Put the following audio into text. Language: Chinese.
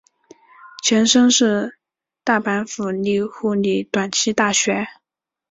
前身是大阪府立护理短期大学。